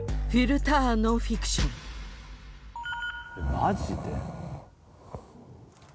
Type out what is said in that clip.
マジで？